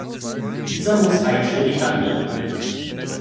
Dieser muss einstimmig handeln.